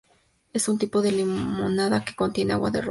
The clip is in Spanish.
Es un tipo de Limonada que contiene Agua de Rosas.